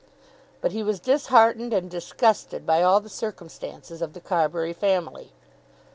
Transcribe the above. But he was disheartened and disgusted by all the circumstances of the Carbury family.